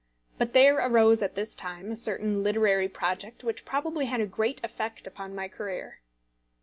But there arose at this time a certain literary project which probably had a great effect upon my career.